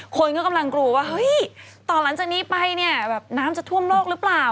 คนก็กำลังกลัวว่าตอนหลังจากนี้ไปน่าจะท่วมโลกหรือเปล่า